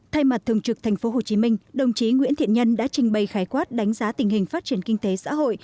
thay mặt thường trực tp hcm đồng chí nguyễn thiện nhân đã trình bày khái quát đánh giá tình hình phát triển kinh tế xã hội